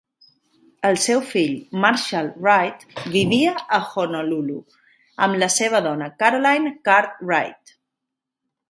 El seu fill, Marshall Wright, vivia a Honolulu amb la seva dona, Caroline Card Wright.